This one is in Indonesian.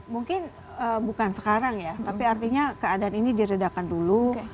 mungkin bukan sekarang ya tapi artinya keadaan ini diredakan dulu